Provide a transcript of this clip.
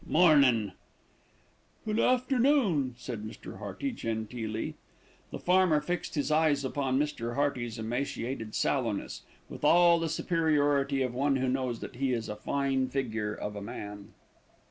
"Mornin'." "Good afternoon," said Mr. Hearty genteelly. The farmer fixed his eyes upon Mr. Hearty's emaciated sallowness, with all the superiority of one who knows that he is a fine figure of a man.